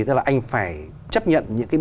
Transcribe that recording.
tức là anh phải chấp nhận những cái